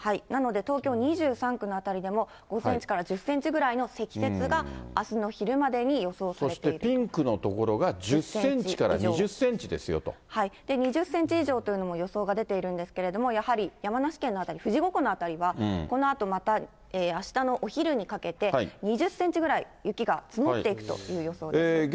なので、東京２３区の辺りでも、５センチから１０センチぐらいの積雪があすの昼までに予想されてそしてピンクの所が１０セン２０センチ以上というのも、予想が出ているんですけれども、やはり山梨県の辺り、富士五湖の辺りは、このあとまた、あしたのお昼にかけて、２０センチぐらい雪が積もっていくという予想ですね。